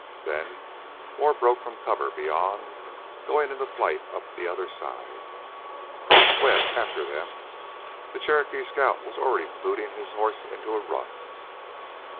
Then more broke from cover beyond, going into flight up the other rise. "Croff! Webb! After them!" The Cherokee scout was already booting his horse into a run.